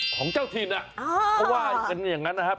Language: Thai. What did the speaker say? ของเจ้าถิ่นเขาว่ากันอย่างนั้นนะครับ